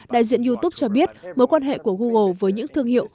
đại diện youtube cho biết mối quan hệ của google với những thương hiệu